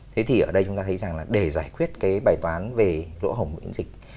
thế thì ở đây chúng ta thấy rằng là để giải quyết cái bài toán về lỗ hổng bệnh dịch